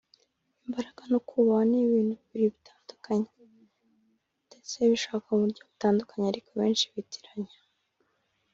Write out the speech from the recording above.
Imbaraga no kubahwa ni ibintu bibiri bitandukanye ndetse bishakwa mu buryo butandukanye ariko benshi bitiranya